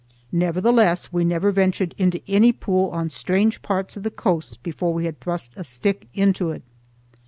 Nevertheless we never ventured into any pool on strange parts of the coast before we had thrust a stick into it.